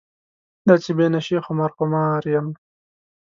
دا چې بې نشې خمار خمار یم.